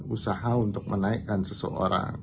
usaha untuk menaikkan seseorang